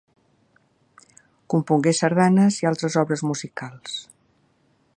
Compongué sardanes i altres obres musicals.